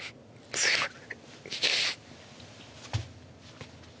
すみません。